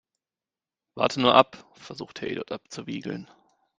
Warte nur ab, versucht Herr Eduard abzuwiegeln.